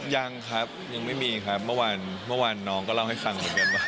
ยังครับยังไม่มีครับเมื่อวานเมื่อวานน้องก็เล่าให้ฟังเหมือนกันว่า